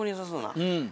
うん。